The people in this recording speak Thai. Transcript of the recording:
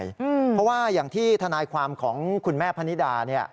เพราะว่าอย่างที่ทนายความของคุณแม่พนิดา